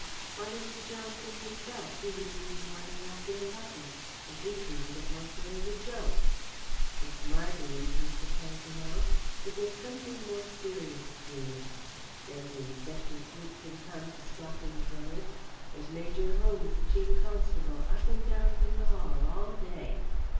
Why, Mr. Johnson himself, he was in the morning after it happened, and he treated it mostly as a joke." "It's my belief," Mr. Pank pronounced, "that there's something more serious brewing. There's Inspector Cloutson come to stop in the village. There's Major Holmes, the Chief Constable, up and down from the Hall all day.